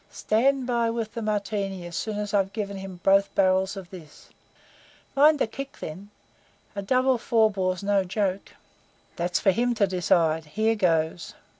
Stand by with the Martini as soon as I've given him both barrels of this." "Mind the kick, then. A double four bore's no joke." "That's for him to decide. Here goes!"